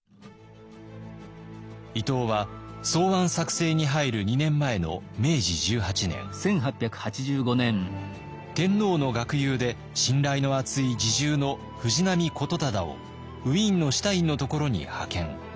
伊藤は草案作成に入る２年前の明治１８年天皇の学友で信頼の厚い侍従の藤波言忠をウィーンのシュタインのところに派遣。